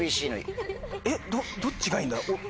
えっどっちがいいんだろ？